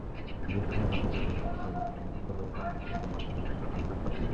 বৃহস্পতিবার রাতে পূর্ব জোহানেসবার্গে বিক্ষুব্ধ লোকজন বিদেশিদের মালিকানাধীন দোকানে লুটপাট শুরু করেন।